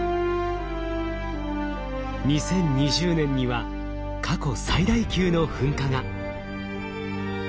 ２０２０年には過去最大級の噴火が。